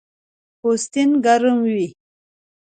پوستین ګرم وي